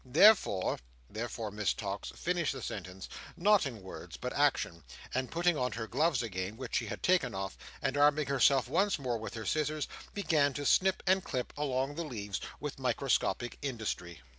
Therefore—" Therefore Miss Tox finished the sentence, not in words but action; and putting on her gloves again, which she had taken off, and arming herself once more with her scissors, began to snip and clip among the leaves with microscopic industry.